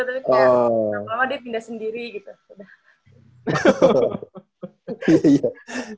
tapi kok lama lama dia pindah sendiri gitu